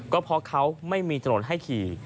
ก็เพราะเขาไม่มีถนนให้ขี่